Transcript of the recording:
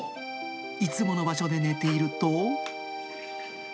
いつもの場所で寝ていると。